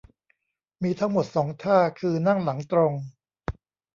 มีทั้งหมด สอง ท่า คือ นั่งหลังตรง